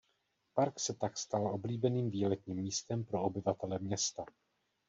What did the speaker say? Park se tak stal oblíbeným výletním místem pro obyvatele města.